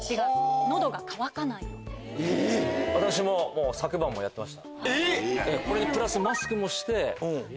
私も昨晩もやってました。